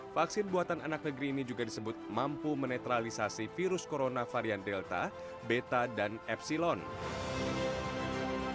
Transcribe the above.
vaksin buatan anak negeri ini juga disebut mampu menetralisasi virus corona varian delta beta dan epsilon